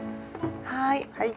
はい。